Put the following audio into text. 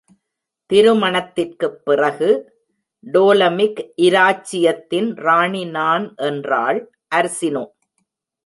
திருமணத்திற்கு பிறகு டோலமிக் இராச்சியத்தின் ராணி நான் என்றாள் அர்சினோ.